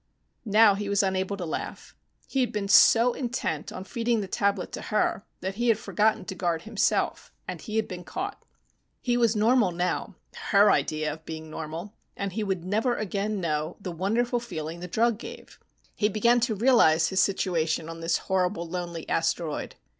Now he was unable to laugh. He had been so intent on feeding the tablet to her that he had forgotten to guard himself, and he had been caught. He was normal now her idea of being normal and he would never again know the wonderful feeling the drug gave. He began to realize his situation on this horrible lonely asteroid.